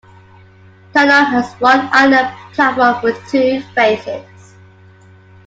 Tynong has one island platform with two faces.